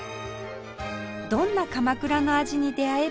どんな鎌倉の味に出会えるか